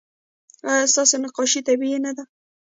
ایا ستاسو نقاشي طبیعي نه ده؟